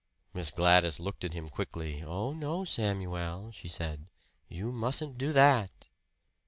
Miss Gladys looked at him quickly. "Oh, no, Samuel," she said "you mustn't do that!"